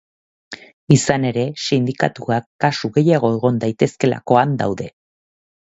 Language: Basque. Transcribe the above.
Izan ere, sindikatuak kasu gehiago egon daitezkeelakoan daude.